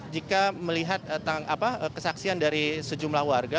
jika melihat kesaksian dari sejumlah warga